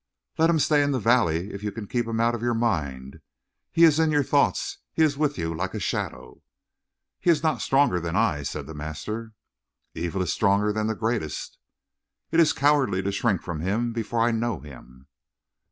"Let him stay in the valley if you can keep him out of your mind. He is in your thoughts. He is with you like a shadow." "He is not stronger than I," said the master. "Evil is stronger than the greatest." "It is cowardly to shrink from him before I know him."